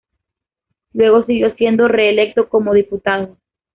Luego siguió siendo re-electo como Diputado.